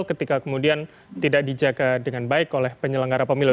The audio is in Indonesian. ketika kemudian tidak dijaga dengan baik oleh penyelenggara pemilu